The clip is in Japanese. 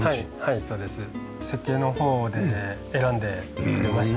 設計の方で選んでくれました。